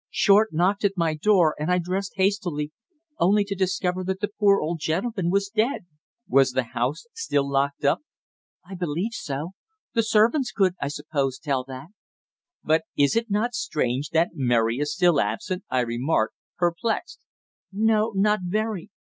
Short knocked at my door and I dressed hastily, only to discover that the poor old gentleman was dead." "Was the house still locked up?" "I believe so. The servants could, I suppose, tell that." "But is it not strange that Mary is still absent?" I remarked, perplexed. "No, not very.